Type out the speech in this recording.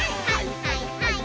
はいはい！